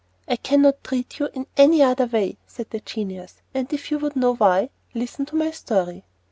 "I cannot treat you in any other way," said the genius, "and if you would know why, listen to my story.